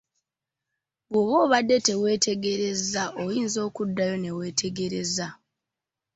Bw'oba obadde teweetegerezza oyinza okuddayo ne weetegereza.